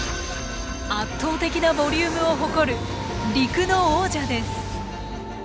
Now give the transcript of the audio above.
圧倒的なボリュームを誇る陸の王者です。